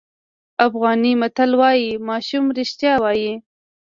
افغاني متل وایي ماشوم رښتیا وایي.